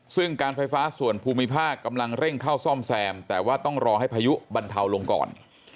ซึ่งการไฟฟ้าส่วนภูมิภาคกำลังเร่งเข้าซ่อมแซมแต่ว่าต้องรอให้พายุบรรเทาลงก่อน